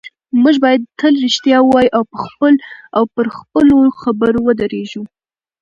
موږ باید تل رښتیا ووایو او پر خپلو خبرو ودرېږو